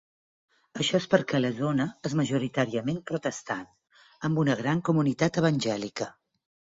Això és perquè la zona és majoritàriament protestant, amb una gran comunitat evangèlica.